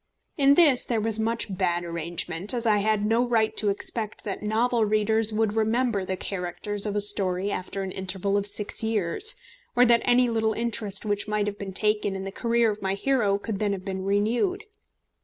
In this there was much bad arrangement, as I had no right to expect that novel readers would remember the characters of a story after an interval of six years, or that any little interest which might have been taken in the career of my hero could then have been renewed.